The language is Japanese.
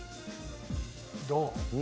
どう？